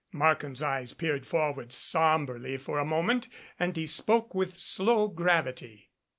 Markham's eyes peered forward somberly for a moment and he spoke with slow gravity.